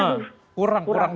online rasanya kurang